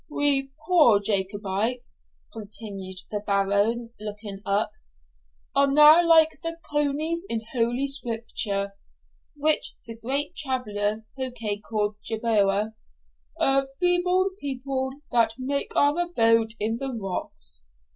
'We poor Jacobites,' continued the Baron, looking up, 'are now like the conies in Holy Scripture (which the great traveller Pococke calleth Jerboa), a feeble people, that make our abode in the rocks.